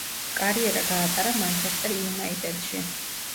კარიერა გაატარა „მანჩესტერ იუნაიტედში“.